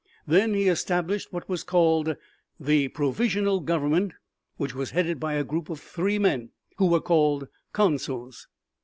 Then he established what was called the Provisional Government which was headed by a group of three men who were called Consuls.